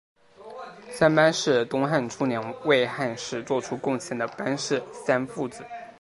三班是东汉初年为汉室作出贡献的班氏三父子。